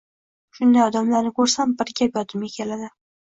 Shunday odamlarni ko‘rsam, bir gap yodimga keladi.